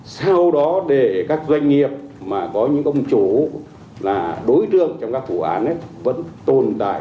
sau đó để các doanh nghiệp mà có những công chủ là đối tượng trong các vụ án vẫn tồn tại